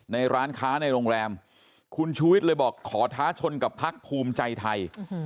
ร้านค้าในโรงแรมคุณชูวิทย์เลยบอกขอท้าชนกับพักภูมิใจไทย